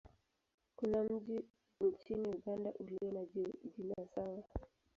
Kuna mji nchini Uganda ulio na jina sawa.